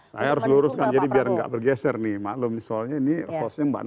saya harus luruskan jadi biar gak bergeser nih maklum soalnya ini khususnya mbak nana